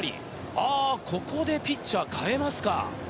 ああここでピッチャー代えますか。